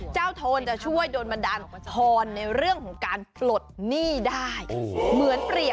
ใช่ก็อะไรนะครับนี่